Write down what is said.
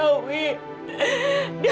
kamu lebih sayang dia